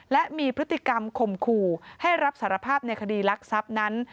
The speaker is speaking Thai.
และมีพฤติกรรมข่มขู่ให้รับสารภาพในคดีลักทรัพย์นั้น